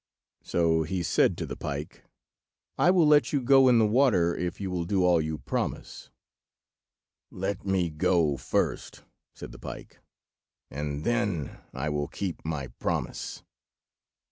So he said to the pike— "I will let you go in the water if you will do all you promise." "Let me go first," said the pike, "and then I will keep my promise."